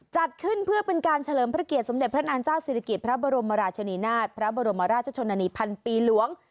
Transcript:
จัดขึ้นเพื่อเป็นการเฉลิมพระเกียรติสมเด็จพระนางเจ้าศิริกิตพระบรมราชนีนาฏพระบรมราชชนนานีพันปีหลวง